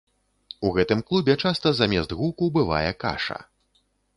У гэтым клубе часта замест гуку бывае каша.